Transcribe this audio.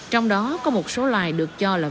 trong đó có một số loài được cho là